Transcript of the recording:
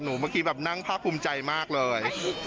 เมื่อกี้แบบนั่งภาคภูมิใจมากเลย